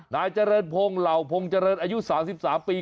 นายเจริญพงศ์เหล่าพงษ์เจริญอายุ๓๓ปี